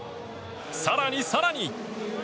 更に更に。